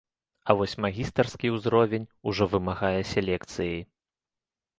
А вось магістарскі ўзровень ужо вымагае селекцыі.